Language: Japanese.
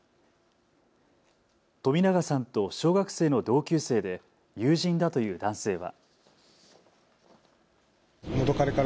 冨永さんと小学生の同級生で友人だという男性は。